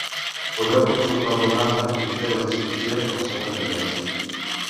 Podeu consultar el programa i fer les inscripcions en el següent enllaç.